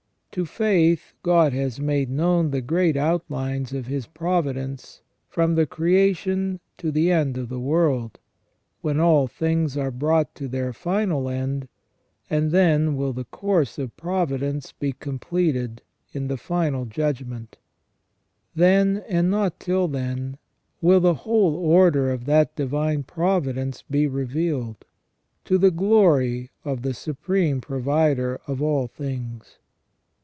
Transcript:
To faith God has made known the great outlines of His providence from the creation to the end of the world, when all things are brought to their final end, and then will the course of providence be completed in the final judgment ; then, and not till then, will the whole order of that divine providence be revealed to the glory of the Supreme Provider of all things.